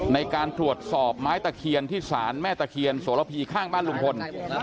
ในการตรวจสอบไม้ตะเคียนที่ศาลแม่ตะเคียนโสระพีข้างบ้านลุงพล